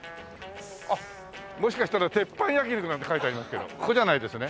あっもしかしたら「鉄板焼肉」なんて書いてありますけどここじゃないですよね？